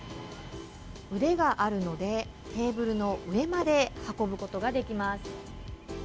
腕があるのでテーブルの上まで運ぶことができます。